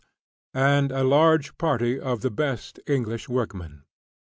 and a large party of the best English workmen.